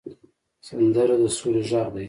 سندره د سولې غږ دی